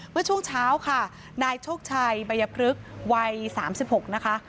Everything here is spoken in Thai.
เมื่อช่วงเช้าค่ะนายโชคชัยบัยพฤกษ์วัย๓๖นะคะ